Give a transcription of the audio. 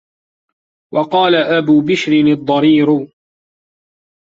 وَقَالَ أَبُو بِشْرٍ الضَّرِيرُ